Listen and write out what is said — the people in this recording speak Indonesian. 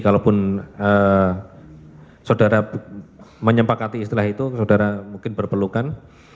kalaupun saudara menyempak hati setelah itu saudara mungkin berpelukan